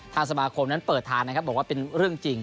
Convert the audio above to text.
สมาคมนั้นเปิดทางนะครับบอกว่าเป็นเรื่องจริง